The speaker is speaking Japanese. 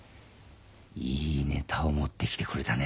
いいネタを持ってきてくれたね。